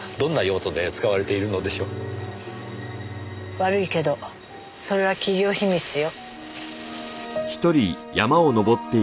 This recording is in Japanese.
悪いけどそれは企業秘密よ。